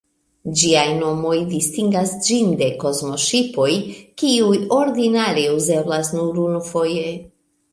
Ĝiaj nomoj distingas ĝin de kosmoŝipoj, kiuj ordinare uzeblas nur unufoje.